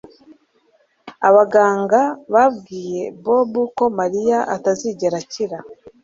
Abaganga babwiye Bobo ko Mariya atazigera akira